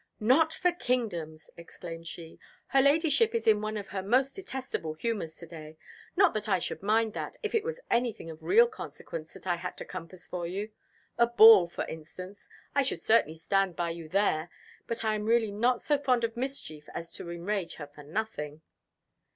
"Not for kingdoms!" exclaimed she. "Her Ladyship is in one of her most detestable humours to day; not that I should mind that, if it was anything of real consequence that I had to compass for you. A ball, for instance I should certainly stand by you there but I am really not so fond of mischief as to enrage her for nothing!"